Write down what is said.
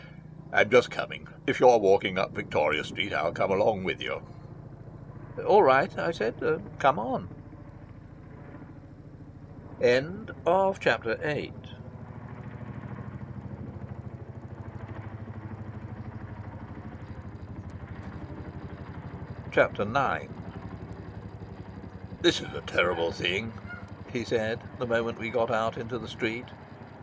"I'm just coming. If you're walking up Victoria Street, I'll come along with you." "All right," I said. "Come on." Chapter IX "This is a terrible thing," he said, the moment we got out into the street.